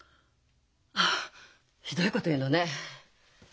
あっひどいこと言うのね。